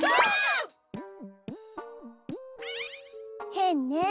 へんね